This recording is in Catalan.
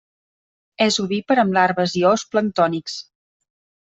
És ovípar amb larves i ous planctònics.